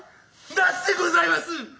なぜでございます！？